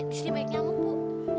disini baik nyaman bu